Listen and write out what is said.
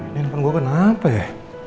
ini handphone gue kenapa ya